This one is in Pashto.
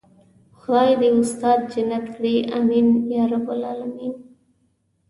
خدای دې استاد جنت کړي آمين يارب العالمين.